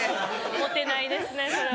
モテないですねそれは。